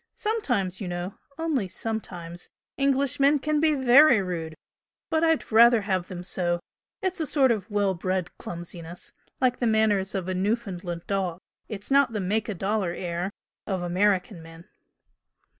Sometimes, you know only sometimes Englishmen can be VERY rude! But I'd rather have them so it's a sort of well bred clumsiness, like the manners of a Newfoundland dog. It's not the 'make a dollar' air of American men."